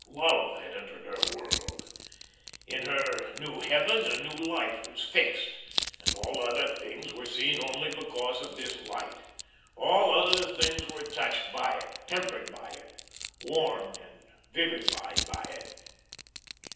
Love had entered her world. In her new heaven a new light was fixed, and all other things were seen only because of this light; all other things were touched by it, tempered by it, warmed and vivified by it.